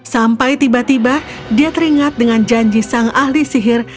sampai tiba tiba dia teringat dengan janji sang ahli sihir